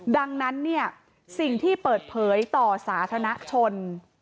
ดังนั้นเนี่ยสิ่งที่เปิดเผยต่อสาธารณชน